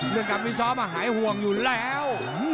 เรื่องการวิซ้อมหายห่วงอยู่แล้ว